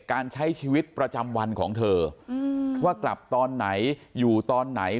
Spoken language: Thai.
การใช้ชีวิตประจำวันของเธอว่ากลับตอนไหนอยู่ตอนไหน